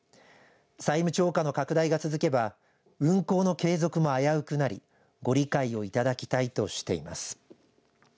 債務超過の拡大が続けば運航の継続も危うくなりご理解をいただきたいとしています。